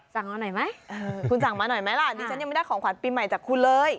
สั่งมาหน่อยไหมคุณสั่งมาหน่อยไหมล่ะดิฉันยังไม่ได้ของขวัญปีใหม่จากคุณเลย